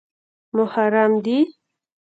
_محرم دي؟